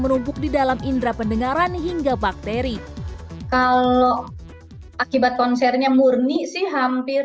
menumpuk di dalam indera pendengaran hingga bakteri kalau akibat konsernya murni sih hampir